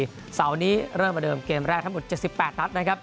เมื่อกี้สาวนี้เริ่มอาเดิมเกมแรกทำหมด๗๘นัดนะครับ